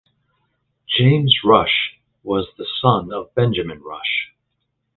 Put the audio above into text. James Rush was the son of Benjamin Rush.